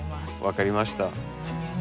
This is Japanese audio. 分かりました。